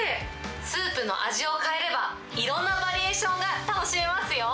スープの味を変えれば、いろんなバリエーションが楽しめますよ。